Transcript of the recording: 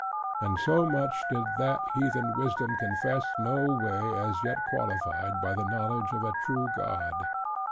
And so much did that heathen wisdom confess, no way as yet qualified by the knowledge of a true God.